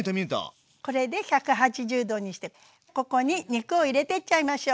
これで１８０℃にしてここに肉を入れてっちゃいましょう。